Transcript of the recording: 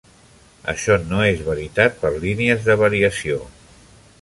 Això no es veritat per línies de variació.